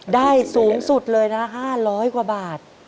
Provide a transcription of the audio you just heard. ได้สูงสุดเลยนะ๕๐๐กว่าบาท